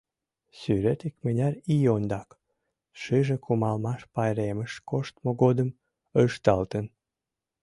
Сӱрет икмыняр ий ондак, шыже кумалмаш пайремыш коштмо годым, ышталтын.